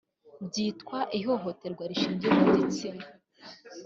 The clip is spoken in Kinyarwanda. byitwa ihohoterwa rishingiye ku gitsina